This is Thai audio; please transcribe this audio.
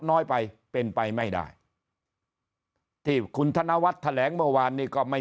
น้อยไปเป็นไปไม่ได้ที่คุณธนวัฒน์แถลงเมื่อวานนี้ก็ไม่